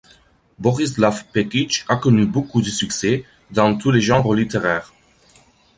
Borislav Pekiċ a connu beaucoup de succès dans tous les genres littéraires.